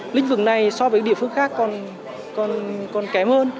lĩnh vực này so với địa phương khác còn kém hơn